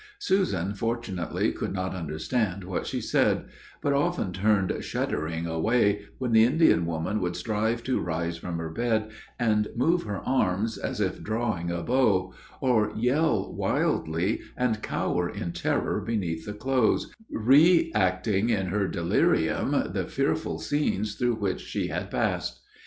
Susan fortunately could not understand what she said, but often turned shuddering away, when the Indian woman would strive to rise from her bed, and move her arms, as if drawing a bow; or yell wildly, and cower in terror beneath the clothes reacting in her delirium the fearful scenes through which she had passed.